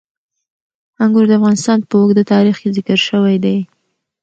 انګور د افغانستان په اوږده تاریخ کې ذکر شوی دی.